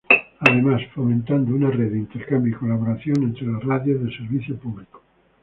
Además, fomentando una red de intercambio y colaboración entre las radios de servicio público.